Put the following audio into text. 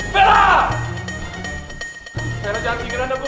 berah jangan tinggalin aku